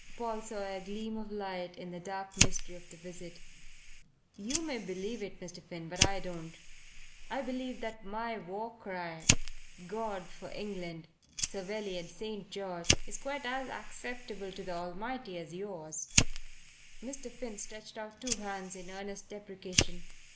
Paul saw a gleam of light in the dark mystery of the visit. "You may believe it, Mr. Finn, but I don't. I believe that my war cry, 'God for England, Savelli and Saint George,' is quite as acceptable to, the Almighty as yours." Mr. Finn stretched out two hands in earnest deprecation.